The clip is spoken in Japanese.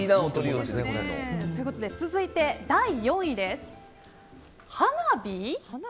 続いて、第４位です。